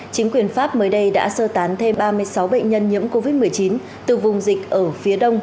chính quyền pháp mới đây đã sơ tán thêm ba mươi sáu bệnh nhân nhiễm covid một mươi chín từ vùng dịch ở phía đông